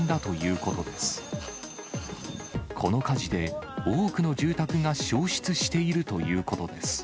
この火事で、多くの住宅が焼失しているということです。